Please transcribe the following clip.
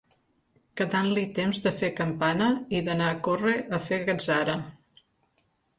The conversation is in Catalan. Quedant-li temps de fer campana i d'anar a córrer a fer gatzara.